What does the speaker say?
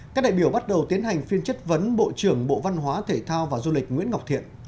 các đại biểu bắt đầu tiến hành phiên chất vấn bộ trưởng bộ văn hóa thể thao và du lịch nguyễn ngọc thiện